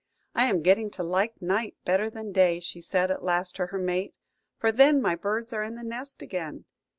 "I am getting to like night better than day," said she at last to her mate, "for then my birds are in the nest again.